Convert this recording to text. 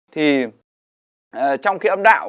thì trong cái âm đạo